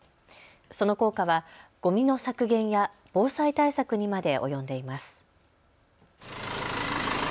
その効果はゴミの削減や防災対策にまで及んでいます。